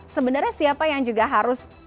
sebenarnya siapa yang juga harus